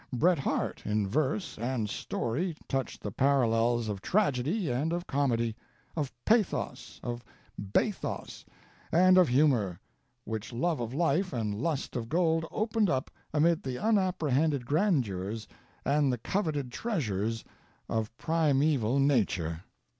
Bret Harte in verse and story touched the parallels of tragedy and of comedy, of pathos, of bathos, and of humor, which love of life and lust of gold opened up amid the unapprehended grandeurs and the coveted treasures of primeval nature.